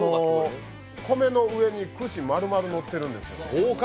米の上に串丸々のってるんです。